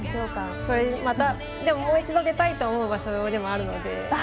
でも、もう一度出たいと思う場所でもあるので。